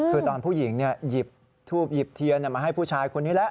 คือตอนผู้หญิงหยิบทูบหยิบเทียนมาให้ผู้ชายคนนี้แล้ว